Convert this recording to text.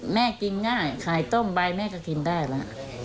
แม่กินง่ายขายต้มใบแม่ก็กินได้แล้ว